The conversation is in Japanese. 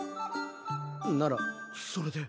ならそれで。